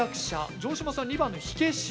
城島さん２番の火消し。